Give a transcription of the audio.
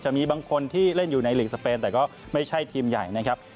มีบางคนที่เล่นอยู่ในหลีกสเปนแต่ก็ไม่ใช่ทีมใหญ่นะครับ